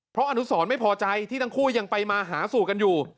เพราะอนุสรไม่พอใจที่ทั้งคู่ยังไปมาหาสู่กันอยู่